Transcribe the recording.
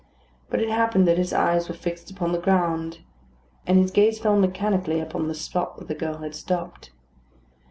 But it happened that his eyes were fixed upon the ground; his gaze fell mechanically upon the spot where the girl had stopped.